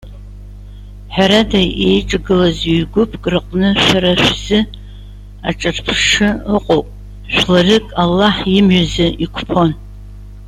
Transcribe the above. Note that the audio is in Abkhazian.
Ҳәарада иеиҿагылаз ҩ-гәыԥк рыҟны шәара шәзы аҿырԥшы ыҟоуп. Жәларык Аллаҳ имҩазы иқәԥон.